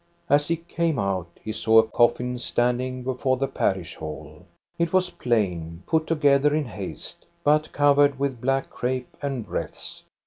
As he came out, he saw a coffin standing before the parish hall. It was plain, put together in haste, but covered with black crape and wreaths.